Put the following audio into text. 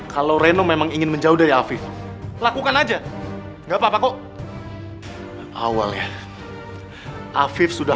kalau reno memang ingin menjauh dari afif lakukan aja enggak apa apa kok awalnya afif sudah